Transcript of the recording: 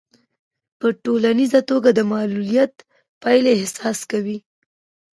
په ټولیزه توګه د معلوليت پايلې احساس کوي.